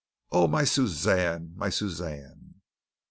Oh, my Suzanne! My Suzanne!"